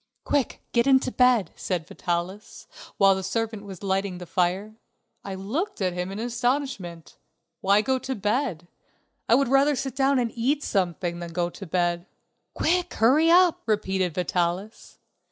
"Quick, get into bed," said Vitalis, while the servant was lighting the fire. I looked at him in astonishment. Why go to bed? I would rather sit down and eat something than go to bed. "Quick, hurry up," repeated Vitalis.